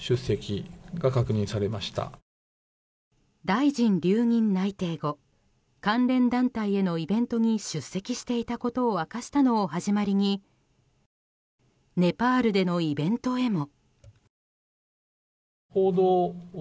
大臣留任内定後関連団体へのイベントに出席していたことを明かしたのを始まりにネパールでのイベントへも。